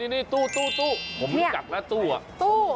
นี่ตู้ผมรู้จักแล้วตู้